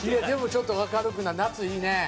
でもちょっと明るく夏いいね。